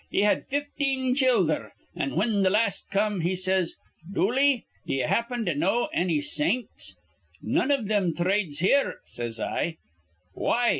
He had fifteen childher; an', whin th' las' come, he says, 'Dooley, d'ye happen to know anny saints?' 'None iv thim thrades here,' says I. 'Why?'